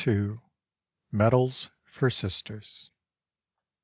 MEDALS FOR SISTERS.